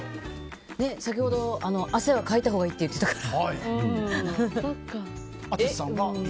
先ほど、汗はかいたほうがいいって言ってたから。